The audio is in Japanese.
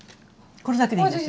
これだけでいいんですよ。